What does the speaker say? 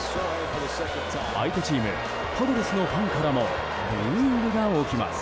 相手チームパドレスのファンからもブーイングが起きます。